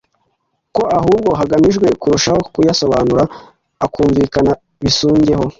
ko ahubwo hagamijwe kurushaho kuyasobanura akumvikana bisumbyeho